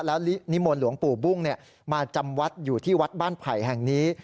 แล้วนิมนต์หลวงปู่บุ้งมาจำวัดอยู่ที่วัดบ้านไผ่แห่งนี้